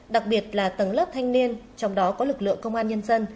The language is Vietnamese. đặc biệt là tầng lớp thanh niên trong đó có lực lượng công an nhân dân